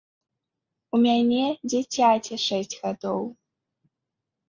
У мяне дзіцяці шэсць гадоў.